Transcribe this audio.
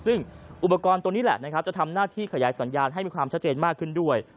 ซึ่งอุปกรณ์ตัวนี้แหละนะครับจะทำหน้าที่ขยายสัญญาณให้มีความชัดเจนมากขึ้นด้วย